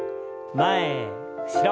前後ろ。